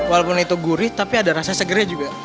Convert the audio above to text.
walaupun itu gurih tapi ada rasa segernya juga